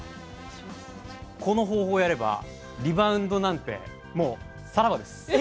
この方法をやればリバウンドなんて、さらばです。